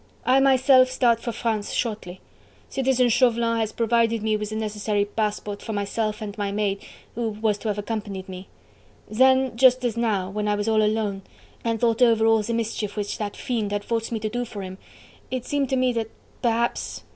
I myself start for France shortly. Citizen Chauvelin has provided me with the necessary passport for myself and my maid, who was to have accompanied me.... Then, just now, when I was all alone... and thought over all the mischief which that fiend had forced me to do for him, it seemed to me that perhaps..."